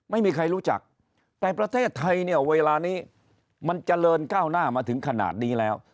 ไม่มีใครรู้จักแต่ประเทศไทยเนี่ยเวลานี้มันเจริญก้าวหน้ามาถึงขนาดนี้แล้ว